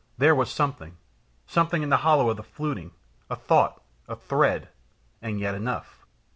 there was something, something in the hollow of the fluting, a thought, a thread, and yet enough.